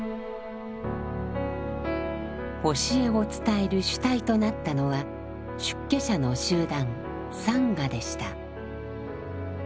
教えを伝える主体となったのは出家者の集団「サンガ」でした。